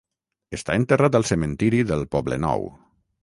Està enterrat al Cementiri del Poblenou.